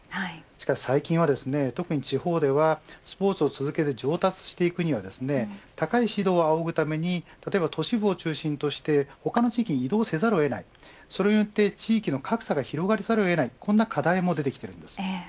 しかし最近は特に地方ではスポーツを続けて上達していくには高い指導を仰ぐために例えば都市部を中心に他の地域に移動したりそれにより地域の格差につながりかねない課題も出てきます。